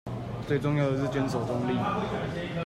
最重要的是堅守中立